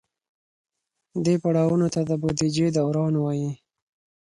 دې پړاوونو ته د بودیجې دوران وایي.